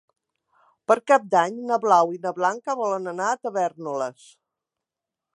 Per Cap d'Any na Blau i na Blanca volen anar a Tavèrnoles.